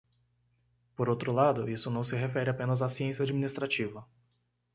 Por outro lado, isso não se refere apenas à ciência administrativa.